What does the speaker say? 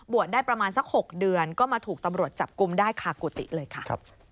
ได้ประมาณสัก๖เดือนก็มาถูกตำรวจจับกลุ่มได้คากุฏิเลยค่ะ